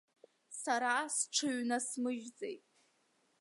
Сара сҽыҩнасмыжьӡеит.